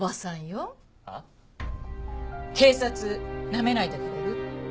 警察なめないでくれる？